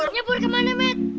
nyebur ke mana matt